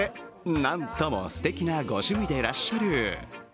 なんともすてきなご趣味でいらっしゃる。